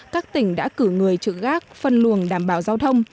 các tỉnh đã cử người trực gác phân luồng đảm bảo giao thông